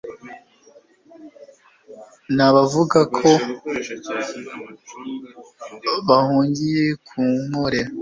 n abavuga ko bahungiye mu nkore